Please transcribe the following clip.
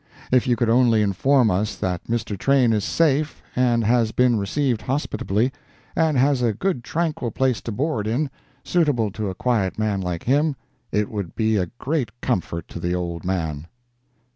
If you could only inform us that Mr. Train is safe, and has been received hospitably, and has a good tranquil place to board in, suitable to a quiet man like him, it would be a great comfort to the old man.